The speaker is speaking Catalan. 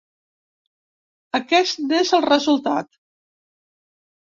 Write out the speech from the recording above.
Aquest n’és el resultat.